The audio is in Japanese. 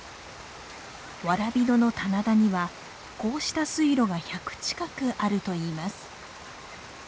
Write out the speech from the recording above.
蕨野の棚田にはこうした水路が１００近くあるといいます。